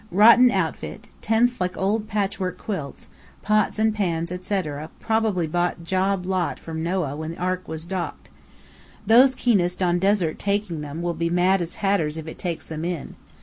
Rotten outfit: tents like old patchwork quilts, pots and pans, etc., probably bought job lot from Noah when the Ark was docked. Those keenest on desert "taking" them, will be mad as hatters if it takes them in.